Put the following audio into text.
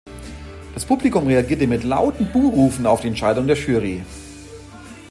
Das Publikum reagierte mit lauten Buhrufen auf die Entscheidung der Jury.